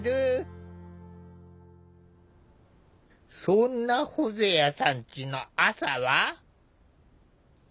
そんなホゼアさんちの朝は。